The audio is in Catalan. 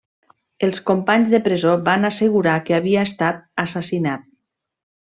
Els companys de presó van assegurar que havia estat assassinat.